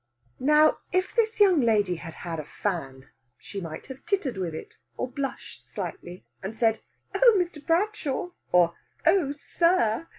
Now, if this young lady had had a fan, she might have tittered with it, or blushed slightly, and said, "Oh, Mr. Bradshaw!" or, "Oh, sir!"